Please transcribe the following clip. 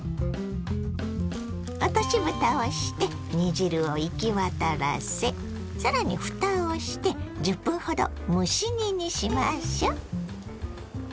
落としぶたをして煮汁を行き渡らせさらにふたをして１０分ほど蒸し煮にしましょ。